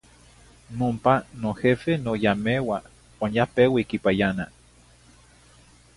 In ompa n nojefe no ya meua uan ya peui quipayana.